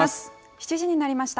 ７時になりました。